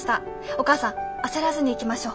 お母さん焦らずにいきましょう。